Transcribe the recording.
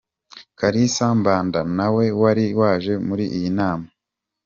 Kalisa Mbanda, na we wari waje muri iyi nama.